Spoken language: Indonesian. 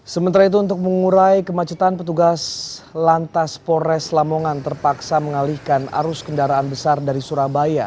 sementara itu untuk mengurai kemacetan petugas lantas pores lamongan terpaksa mengalihkan arus kendaraan besar dari surabaya